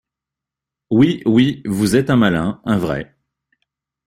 Oui, oui, vous êtes un malin, un vrai!